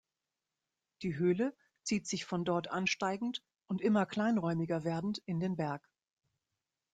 Die Höhle zieht sich von dort ansteigend und immer kleinräumiger werdend in den Berg.